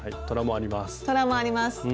トラもあります。